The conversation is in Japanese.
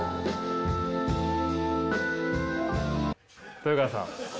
豊川さん。